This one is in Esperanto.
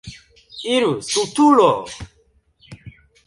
Iru, stultulo!